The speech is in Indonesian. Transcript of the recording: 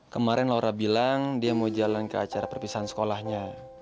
kemarin laura bilang dia mau jalan ke acara perpisahan sekolahnya